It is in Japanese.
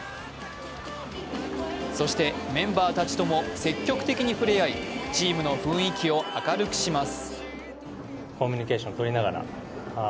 そして、メンバーたちとも積極的に触れ合いチームの雰囲気を明るくします。